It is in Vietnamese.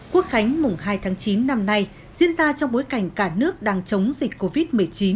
quốc khánh mùng hai tháng chín năm nay diễn ra trong bối cảnh cả nước đang chống dịch covid một mươi chín